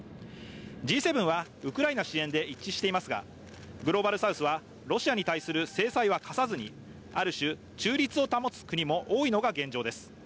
Ｇ７はウクライナ支援で一致していますがグローバルサウスは、ロシアに対する制裁は科さずにある種、中立を保つ国も多いのが現状です。